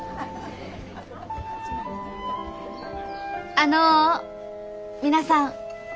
あの皆さん。